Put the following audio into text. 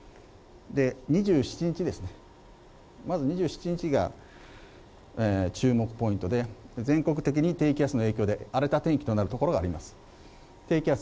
２７日ですね、まず２７日が注目ポイントで、全国的に低気圧の影響で、荒れた天気となる所があります。